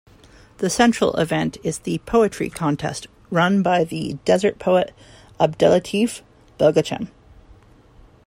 The central event is the poetry contest run by the desert poet, Abdellatif Belgacem.